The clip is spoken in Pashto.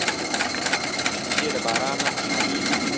وزې د باران نه خوشحالېږي